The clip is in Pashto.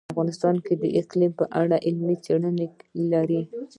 افغانستان د اقلیم په اړه علمي څېړنې لري.